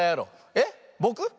えっぼく？